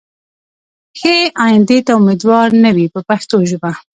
ښې ایندې ته امیدوار نه وي په پښتو ژبه.